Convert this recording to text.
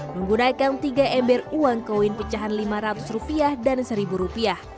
menggunakan tiga ember uang koin pecahan lima ratus rupiah dan rp satu